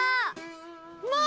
もう！